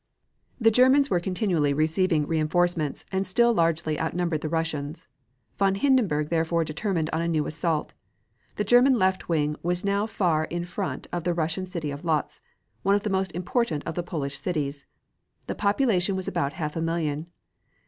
The Germans were continually receiving reinforcements and still largely outnumbered the Russians. Von Hindenburg therefore determined on a new assault. The German left wing was now far in front of the Russian city of Lodz, one of the most important of the Polish cities. The population was about half a million.